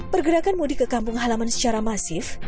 pergerakan mudik ke kampung halaman secara masif